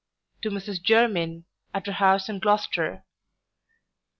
To Mrs JERMYN, at her house in Gloucester.